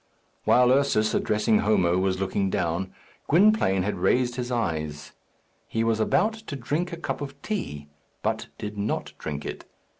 While Ursus, addressing Homo, was looking down, Gwynplaine had raised his eyes. He was about to drink a cup of tea, but did not drink it.